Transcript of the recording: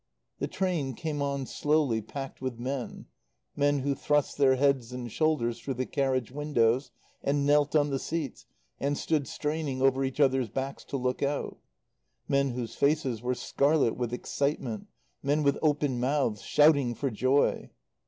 The train came on slowly, packed with men; men who thrust their heads and shoulders through the carriage windows, and knelt on the seats, and stood straining over each other's backs to look out; men whose faces were scarlet with excitement; men with open mouths shouting for joy.